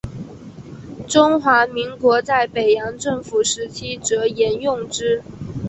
中华民国在北洋政府时期则沿用之。